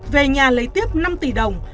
về nhà lấy tiếp năm tỷ đồng